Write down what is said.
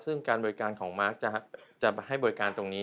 ซึ่งการบริการของมาร์คจะให้บริการตรงนี้